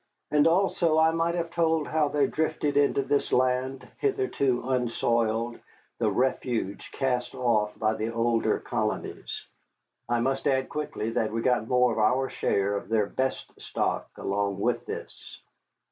And also I might have told how there drifted into this land, hitherto unsoiled, the refuse cast off by the older colonies. I must add quickly that we got more than our share of their best stock along with this.